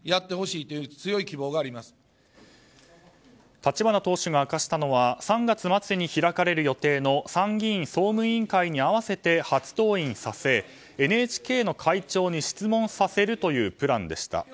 立花党首が明かしたのは３月末に開かれる予定の参議院総務委員会に合わせて初登院させＮＨＫの会長に質問させるというプランでした。